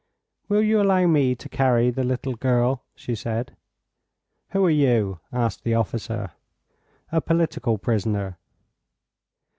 "Will you allow me to carry the little girl?" she said. "Who are you?" asked the officer. "A political prisoner."